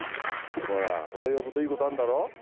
ほら俺呼ぶといいことあんだろ。